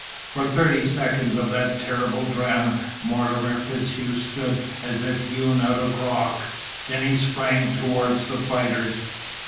For thirty seconds of that terrible drama Mortimer FitzHugh stood as if hewn out of rock. Then he sprang toward the fighters.